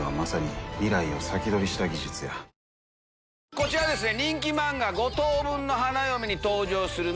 こちらですね。